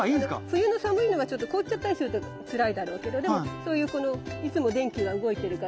冬の寒いのがちょっと凍っちゃったりするとつらいだろうけどでもそういうこのいつも電気が動いてるから。